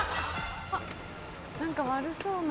あっ何か悪そうな。